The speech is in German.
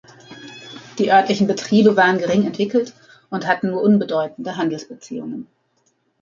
Die örtlichen Betriebe waren gering entwickelt und hatten nur unbedeutende Handelsbeziehungen.